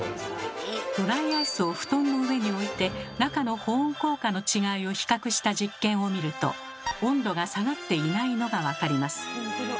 ドライアイスを布団の上に置いて中の保温効果の違いを比較した実験を見ると温度が下がっていないのが分かります。